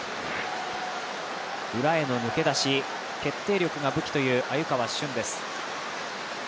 裏への抜け出し、決定力が武器という鮎川峻です。